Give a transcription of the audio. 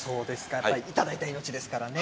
やっぱり頂いた命ですからね。